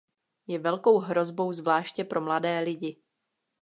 Je velkou hrozbou zvláště pro mladé lidi.